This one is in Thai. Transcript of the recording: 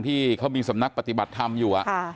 ที่เขามีสำนักปฏิบัติธรรมอยู่